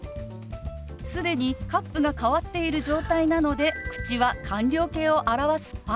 既にカップが変わっている状態なので口は完了形を表す「パ」。